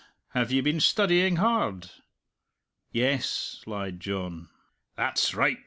Have ye been studying hard?" "Yes," lied John. "That's right!"